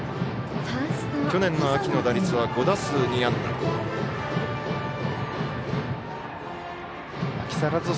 去年の秋の打率は５打数２安打。